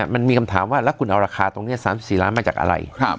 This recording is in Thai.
มันมีคำถามว่าแล้วคุณเอาราคาตรงนี้๓๔ล้านมาจากอะไร